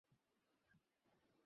তিনি গণিতে এম.এ. করেন।